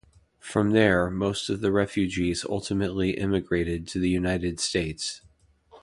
From there, most of the refugees ultimately emigrated to the United States.